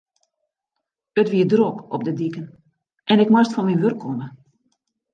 It wie drok op de diken en ik moast fan myn wurk komme.